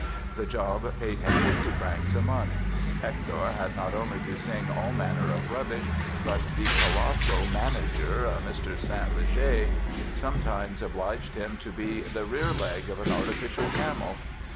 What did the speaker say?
The job paid him fifty francs a month. Hector had not only to sing all manner of rubbish but "the colossal manager", a Mr. St. Léger, sometimes obliged him to be "the rear leg of an artificial camel"!